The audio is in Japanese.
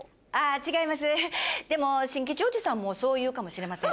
でも新吉おじさんもそう言うかもしれません。